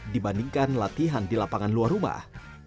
dibandingkan latihan di lapangan luar rumah